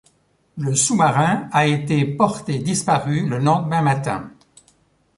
Le sous-marin a été porté disparu le lendemain matin.